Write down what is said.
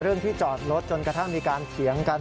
ที่จอดรถจนกระทั่งมีการเถียงกัน